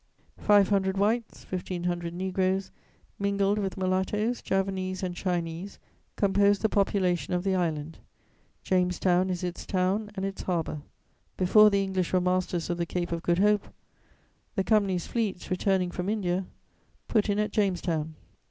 Five hundred whites, fifteen hundred negroes, mingled with mulattoes, Javanese and Chinese, compose the population of the island. Jamestown is its town and its harbour. Before the English were masters of the Cape of Good Hope, the Company's fleets, returning from India, put in at Jamestown.